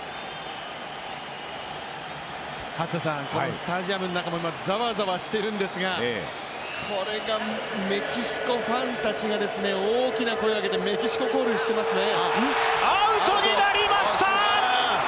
スタジアムの中も今、ざわざわしているんですがメキシコファンたちが大きな声を上げてメキシココールしていますね。